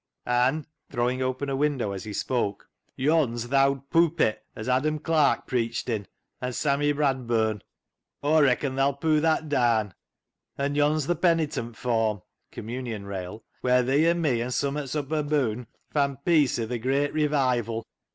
An' "— throwing open a window as he spoke —" yon's th' owd poopit as Adam Clarke preached in, an' Sammy Bradburn. Aw reacon thaa'll poo' that daan. An' yond's th' penitent form [communion rail], wheer thee an' me, an' sum 'at's up aboon, fan peace i' th' Great Revival.